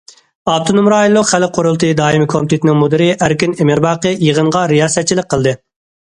ئاپتونوم رايونلۇق خەلق قۇرۇلتىيى دائىمىي كومىتېتىنىڭ مۇدىرى ئەركىن ئىمىرباقى يىغىنغا رىياسەتچىلىك قىلدى.